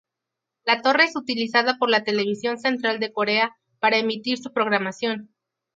La torre es utilizada por la Televisión Central de Corea para emitir su programación.